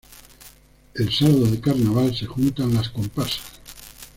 El sábado de carnaval se juntan las comparsas.